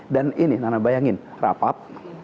dan ini bayangkan rapat